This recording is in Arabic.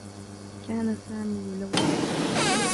كان سامي يلوّن.